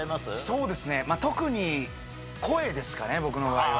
そうですね、特に声ですかね、僕の場合は。